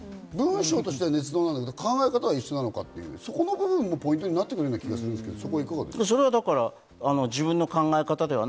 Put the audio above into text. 文書としてねつ造なんだけれども、考え方は一緒なのか、そこの部分もポイントになってくるような気がするんだけれども。